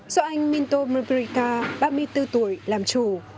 do anh minto mobirika ba mươi bốn tuổi làm chủ